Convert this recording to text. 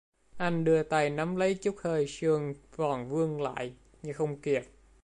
Anh đưa tay nắm lấy chút hơi sương còn vương lại nhưng không kịp